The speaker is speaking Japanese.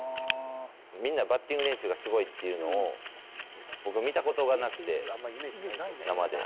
みんなバッティング練習がすごいっていうのを、僕、見たことがなくて、生で。